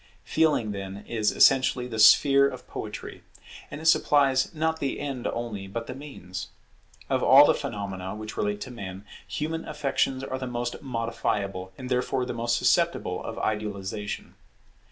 Feeling, then, is essentially the sphere of Poetry. And it supplies not the end only, but the means. Of all the phenomena which relate to man, human affections are the most modifiable, and therefore the most susceptible of idealization.